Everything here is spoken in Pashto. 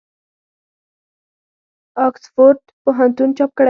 آکسفورډ پوهنتون چاپ کړی وو.